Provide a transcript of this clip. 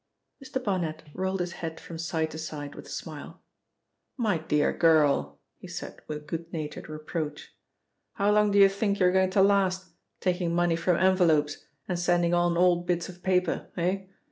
Mr. Barnet rolled his head from side to side with a smile. "My dear girl," he said with good natured reproach. "How long do you think you're going to last, taking money from envelopes and sending on old bits of paper? Eh?